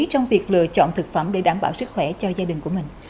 trong việc lựa chọn thực phẩm để đảm bảo sức khỏe cho gia đình của mình